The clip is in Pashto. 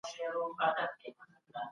موږ عددونه له لسو څخه تر شلو ليکو.